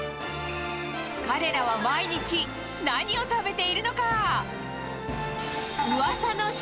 彼らは毎日、何を食べているのか。